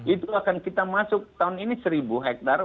itu akan kita masuk tahun ini seribu hektare